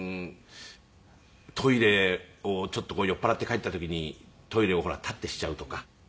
トイレをちょっとこう酔っ払って帰った時にトイレをほら立ってしちゃうとか。